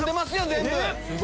全部。